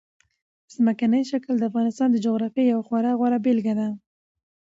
ځمکنی شکل د افغانستان د جغرافیې یوه خورا غوره بېلګه ده.